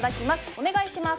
お願いします。